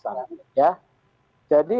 jadi ini memang mengurucut sebetulnya